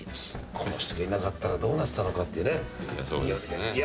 この人がいなかったらどうなってたのかっていうね。